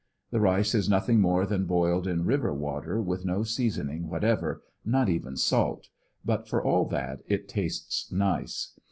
The rice is nothing more than boiled in river water with no seas oning whatever, not even salt, but for all that it tasted nice.